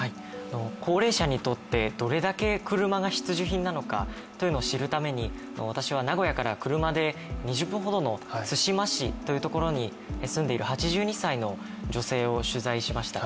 高齢者にとってどれだけ車が必需品なのかを知るために、私は名古屋から車で２０分ほどの津島市というところに住んでいる８２歳の女性を取材しました。